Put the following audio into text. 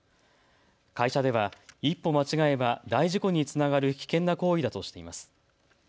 会社では一歩間違えば大事故につながる危険な行為だとしています。